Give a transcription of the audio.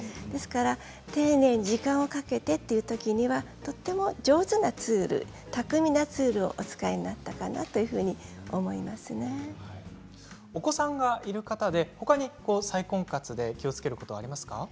ですから丁寧に時間をかけてというときにはとても上手なツール巧みなツールをお使いになったかなお子さんがいる方でほかに再婚活で気をつけることはありますか？